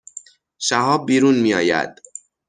شهاب بیرون می آید